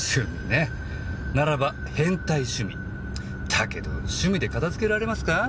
だけど趣味で片付けられますか？